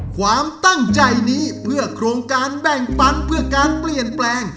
ความตั้งใจนี้เพื่อโครงการแบ่งปันเพื่อการเปลี่ยนแปลง